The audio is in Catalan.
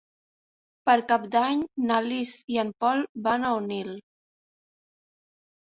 Per Cap d'Any na Lis i en Pol van a Onil.